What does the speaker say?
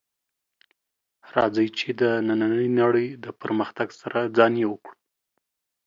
راځئ چې د نننۍ نړۍ د پرمختګ سره ځان یو کړو